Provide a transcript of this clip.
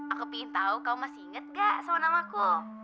aku pingin tahu kamu masih inget nggak sama namaku